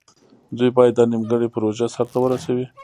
دوی باید دا نیمګړې پروژه سر ته ورسوي.